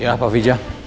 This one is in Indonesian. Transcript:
ya pak fija